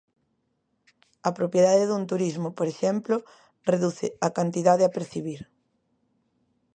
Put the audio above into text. A propiedade dun turismo, por exemplo, reduce a cantidade a percibir.